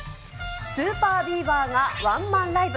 ＳＵＰＥＲＢＥＡＶＥＲがワンマンライブ。